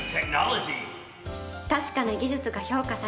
確かな技術が評価され